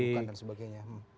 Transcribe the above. kedudukan dan sebagainya